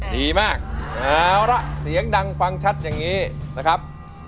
ดีมากเอาละเสียงดังฟังชัดอย่างนี้นะครับ